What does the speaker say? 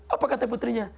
apa kata putrinya